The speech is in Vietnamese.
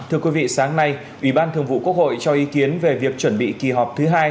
thưa quý vị sáng nay ủy ban thường vụ quốc hội cho ý kiến về việc chuẩn bị kỳ họp thứ hai